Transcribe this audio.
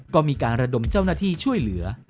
ก็มีการระดมเจ้าหน้าที่ช่วยเหลือ